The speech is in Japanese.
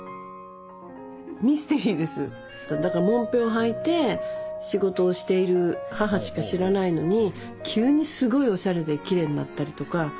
もんぺをはいて仕事をしている母しか知らないのに急にすごいおしゃれできれいになったりとか。